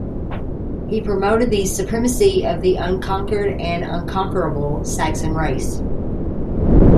He promoted the supremacy of the unconquered and unconquerable Saxon race.